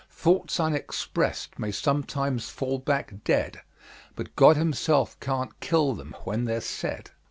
Thoughts unexpressed many sometimes fall back dead; But God Himself can't kill them when they're said.